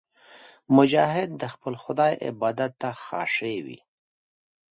مجاهد د خپل خدای عبادت ته خاشع وي.